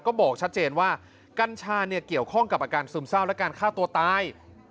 ก็บอกชัดเจนว่ากัญชาเกี่ยวข้องจากจะกรุงด้วยการสุ่มเศร้าการฆ่าตัวตาย